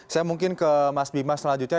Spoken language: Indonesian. saya mungkin ke mas bima selanjutnya